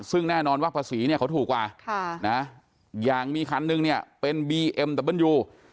ซึ่งแน่นอนว่าภาษีเนี่ยเขาถูกกว่าอย่างมีคันนึงเนี่ยเป็นบีเอ็มแต่เบิ้ลยู